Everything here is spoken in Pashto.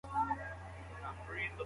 چلو صاف بې سوري نه وي.